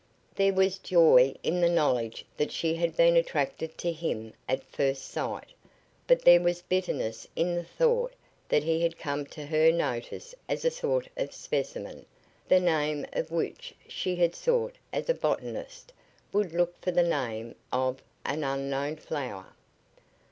There was joy in the knowledge that she had been attracted to him at first sight, but there was bitterness in the thought that he had come to her notice as a sort of specimen, the name of which she had sought as a botanist would look for the name of an unknown flower.